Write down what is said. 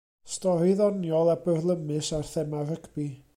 Stori ddoniol a byrlymus ar thema rygbi.